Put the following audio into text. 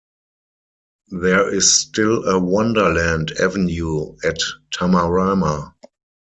There is still a Wonderland Avenue at Tamarama.